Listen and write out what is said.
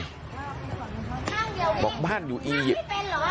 แล้วบอกบ้านอยู่อียิปต์